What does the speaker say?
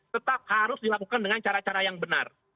tetap harus dilakukan dengan cara cara yang benar